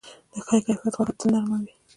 د ښه کیفیت غوښه تل نرم وي.